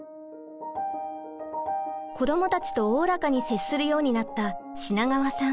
子どもたちとおおらかに接するようになった品川さん。